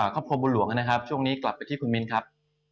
ครอบครัวบุญหลวงนะครับช่วงนี้กลับไปที่คุณมิ้นครับ